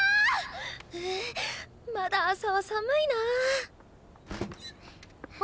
ううっまだ朝は寒いなあ。